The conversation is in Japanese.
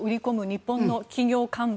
日本の企業幹部